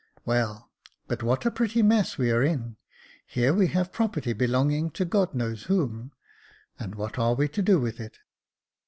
"Well, but what a pretty mess we are in: here we have property belonging to God knows whom ; and what are we to do with it